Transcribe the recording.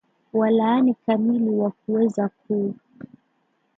walaani kamili wa kuweza ku